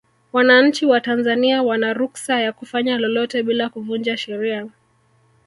wananchi wa tanzania wana ruksa ya kufanya lolote bila kuvunja sheria